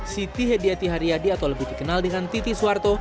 siti hedyati haryadi atau lebih dikenal dengan titi soeharto